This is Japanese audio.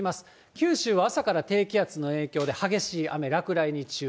九州は朝から低気圧の影響で激しい雨、落雷に注意。